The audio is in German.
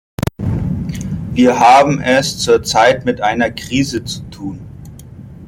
Wir haben es zurzeit mit einer Krise zu tun.